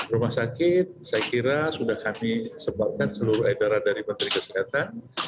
rumah sakit saya kira sudah kami sebabkan seluruh edaran dari menteri kesehatan